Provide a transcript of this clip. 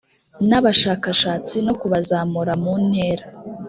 n abashakashatsi no kubazamura mu ntera